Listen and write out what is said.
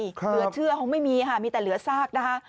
เหลือเชื่อคงไม่มีค่ะมีแต่เหลือซากนะคะ